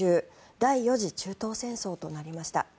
第４次中東戦争となりました。